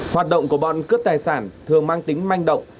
hoạt động của bọn cướp tài sản thường mang tính manh động